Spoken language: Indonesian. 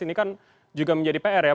ini kan juga menjadi pr ya